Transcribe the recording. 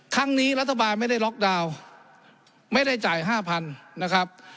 ครั้งนี้รัฐบาลไม่ได้ล็อกดาวน์ไม่ได้จ่ายห้าพันนะครับ